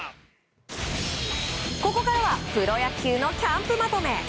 ここからはプロ野球のキャンプまとめ。